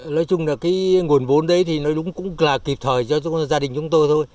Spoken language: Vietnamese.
nói chung là cái nguồn vốn đấy thì nó đúng cũng là kịp thời cho gia đình chúng tôi thôi